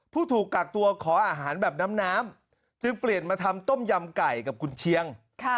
ถูกกักตัวขออาหารแบบน้ำจึงเปลี่ยนมาทำต้มยำไก่กับคุณเชียง